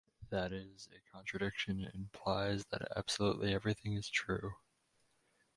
That is, a contradiction implies that absolutely everything is true.